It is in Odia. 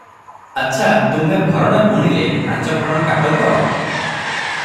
ଆଛା, ତୁମ୍ଭେ ଭରଣେ ବୁଣିଲେ ପାଞ୍ଚଭରଣ କାଟ ତ?